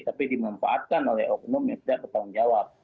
tapi dimanfaatkan oleh oknum yang tidak bertanggung jawab